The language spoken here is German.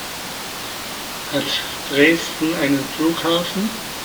Hat Dresden einen Flughafen?